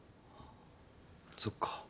そっか。